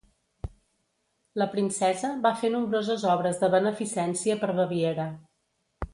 La princesa va fer nombroses obres de beneficència per Baviera.